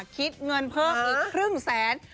คิดเงินเพิ่มอีกครึ่งแสน